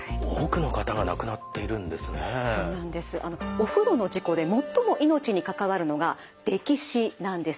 お風呂の事故で最も命に関わるのが溺死なんです。